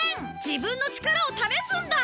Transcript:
自分の力を試すんだ！